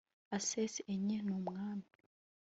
aces enye n'umwami